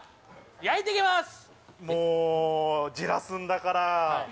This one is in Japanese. もう、じらすんだから。